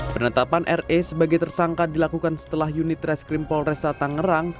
penetapan re sebagai tersangka dilakukan setelah unit reskrim polresa tangerang